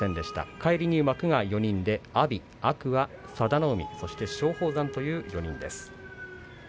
返り入幕４人阿炎、天空海、佐田の海そして松鳳山という４人です。